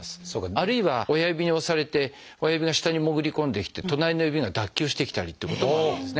あるいは親指に押されて親指の下に潜り込んできて隣の指が脱臼してきたりってこともあるんですね